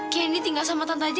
keni tinggal sama tante aja